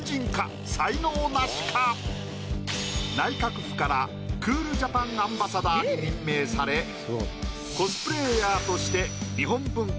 内閣府からクールジャパン・アンバサダーに任命されコスプレイヤーとして。